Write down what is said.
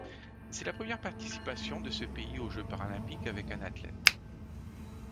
C'est la première participation de ce pays aux Jeux paralympiques avec un athlète.